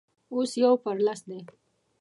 اوس يو پر لس دی.